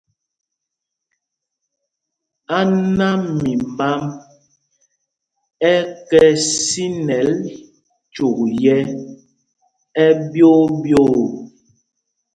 Áná mimbám ɛ kɛ sinɛl cyûk yɛ̄ ɛɓyōō ɓyoo.